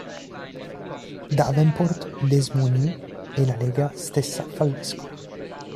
Davenport, Des Moines e la lega stessa falliscono.